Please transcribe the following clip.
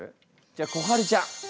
じゃあこはるちゃん。